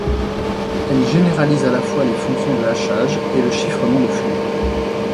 Elles généralisent à la fois les fonctions de hachage et le chiffrement de flux.